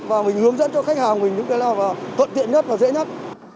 và mình hướng dẫn cho khách hàng mình những cái nào là thuận tiện nhất và dễ nhất